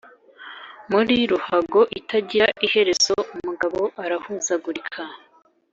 muri ruhago itagira iherezo umugabo arahuzagurika. '